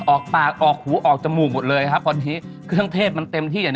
ออกปากออกหูออกจมูกหมดเลยครับตอนนี้เครื่องเทศมันเต็มที่อ่ะ